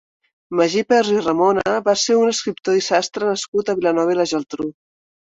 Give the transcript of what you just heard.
Magí Pers i Ramona va ser un escriptor i sastre nascut a Vilanova i la Geltrú.